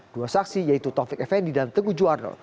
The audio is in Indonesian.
dua saksi yaitu taufik effendi dan teguh juwarno